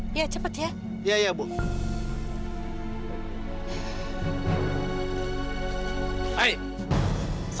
dia pake baju angry because it best